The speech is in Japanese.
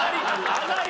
上がり！？